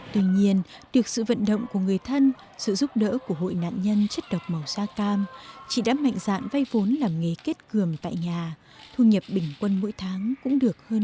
tuy nhiên được sự vận động của người thân sự giúp đỡ của hội nạn nhân chất độc màu da cam chị đã mạnh dạn vay vốn làm nghề kết cường tại nhà thu nhập bình quân mỗi tháng cũng được hơn